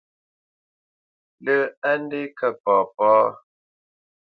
Lə́ á ndě kə̂ papá ?